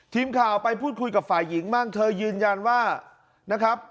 ทีมข่าวไปพูดคุยกับฝ่ายหญิงบ้างเธอยืนยันว่านะครับ